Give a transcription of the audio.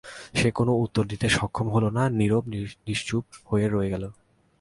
সে কোন উত্তর দিতে সক্ষম হল না, নীরব-নিচ্ছুপ হয়ে রয়ে গেল।